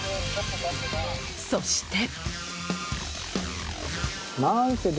そして。